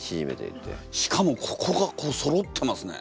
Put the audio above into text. しかもここがこうそろってますね。